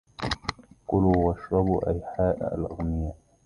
كلوا واشربوا أيحا الأغنياء